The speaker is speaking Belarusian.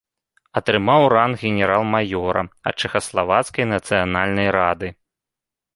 Атрымаў ранг генерал-маёра ад чэхаславацкай нацыянальнай рады.